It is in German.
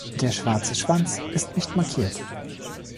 Der schwarze Schwanz ist nicht markiert.